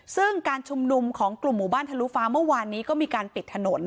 ซึ่งการชุมนุมของกลุ่มหมู่บ้านทะลุฟ้าเมื่อวานนี้ก็มีการปิดถนน